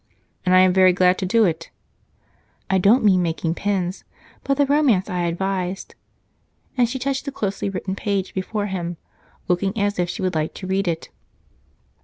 "And I am very glad to do it." "I don't mean making pens, but the romance I advised," and she touched the closely written page before him, looking as if she would like to read it.